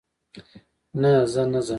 نه، زه نه ځم